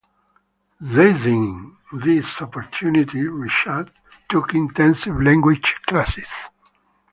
Seizing this opportunity, Reshad took intensive language classes.